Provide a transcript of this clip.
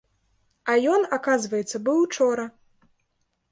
А ён, аказваецца, быў учора.